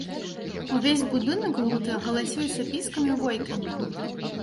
Увесь будынак гуты агаласіўся піскам і войканнем.